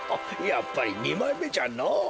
やっぱりにまいめじゃのぉ。